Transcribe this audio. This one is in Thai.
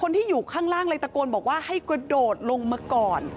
ที่อยู่ข้างล่างเลยตะโกนบอกว่าให้กระโดดลงมาก่อน